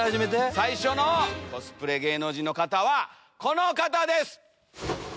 最初のコスプレ芸能人の方はこの方です！